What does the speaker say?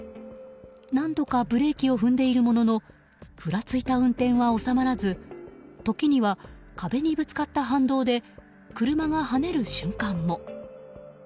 何度かブレーキを踏んでいるもののふらついた運転は収まらず時には壁にぶつかった反動で車がはねる瞬間も。